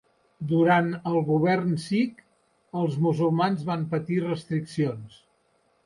Durant el govern sikh, els musulmans van patir restriccions.